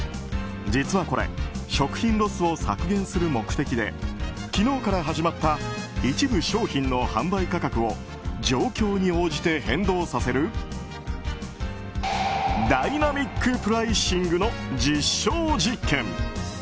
実はこれ食品ロスを削減する目的で昨日から始まった一部商品の販売価格を状況に応じて変動させるダイナミックプライシングの実証実験。